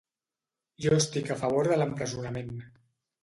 Jo estic a favor de l'empresonament.